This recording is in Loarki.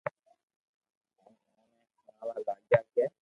ھين اوني ھڻاوا لاگيا ڪي